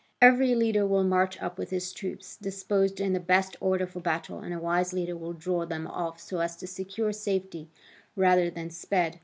Every leader will march up with his troops disposed in the best order for battle and a wise leader will draw them off so as to secure safety rather than sped.